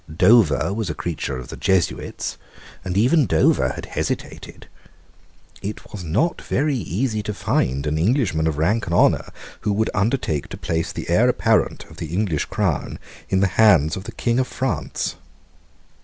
Dover was a creature of the Jesuits; and even Dover had hesitated. It was not very easy to find, an Englishman of rank and honour who would undertake to place the heir apparent of the English crown in the hands of the King of France.